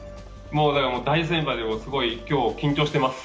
大先輩で、すごい今日、緊張してます。